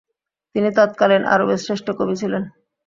তিনি তৎকালীন আরবের শ্রেষ্ঠ কবি ছিলেন।